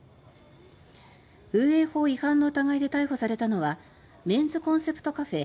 風営法違反の疑いで逮捕されたのはメンズコンセプトカフェ